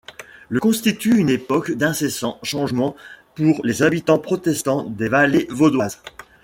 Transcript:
Le constitue une époque d'incessant changements pour les habitants protestants des vallées vaudoises.